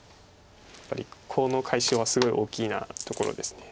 やっぱりコウの解消はすごい大きなところです。